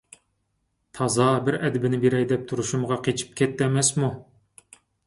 تازا بىر ئەدىپىنى بېرەي دەپ تۇرۇشۇمغا قېچىپ كەتتى ئەمەسمۇ؟